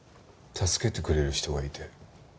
助けてくれる人がいて。